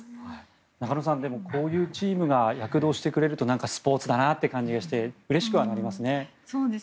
中野さんでも、こういうチームが躍動してくれるとなんかスポーツだなという感じがしてうれしくはなりますね。